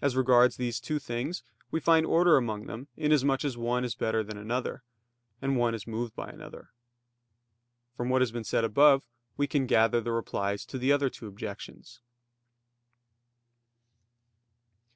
As regards these two things we find order among them, inasmuch as one is better than another; and one is moved by another. From what has been said above, we can gather the replies to the other two objections.